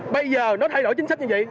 bây giờ nó thay đổi chính sách như vậy